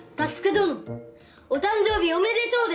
どのお誕生日おめでとうである。